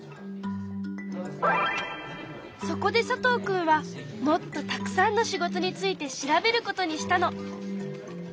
そこで佐藤くんはもっとたくさんの仕事について調べることにしたの。